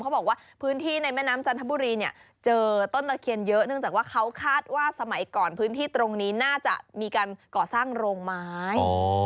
บอกว่าพื้นที่ในแม่น้ำจันทบุรีเนี่ยเจอต้นตะเคียนเยอะเนื่องจากว่าเขาคาดว่าสมัยก่อนพื้นที่ตรงนี้น่าจะมีการก่อสร้างโรงไม้